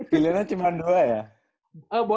pilihannya cuma dua ya